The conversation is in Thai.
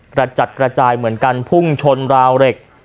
กระจัดกระจายเหมือนกันพุ่งชนราวเหล็ก